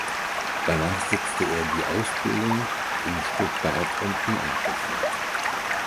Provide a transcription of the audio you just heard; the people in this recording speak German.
Danach setzte er die Ausbildung in Stuttgart und Neapel fort.